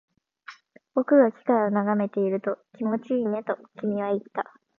僕が機械を眺めていると、気持ちいいねと君は言った